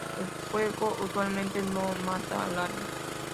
El fuego usualmente no mata al árbol.